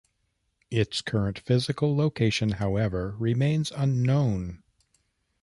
Its current physical location, however, remains unknown.